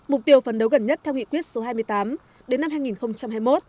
mục tiêu phấn đấu gần nhất theo nghị quyết số hai mươi tám đến năm hai nghìn hai mươi một